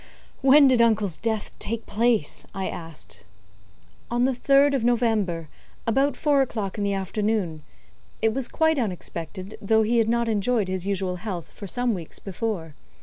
"When did uncle's death take place?" I asked. "On the 3rd of November, about four o'clock in the afternoon. It was quite unexpected, though he had not enjoyed his usual health for some weeks before.